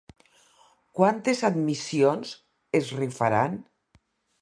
Quantes admissions es rifaran?